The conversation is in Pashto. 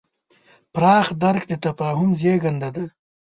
پراخ درک د تفاهم زېږنده دی.